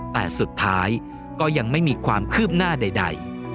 แต่สุดท้ายก็ยังไม่มีความคืบหน้าใด